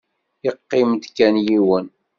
Yeqqim-d kan yiwen.